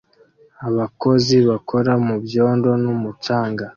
Abakozi bakora mu byondo n'umucanga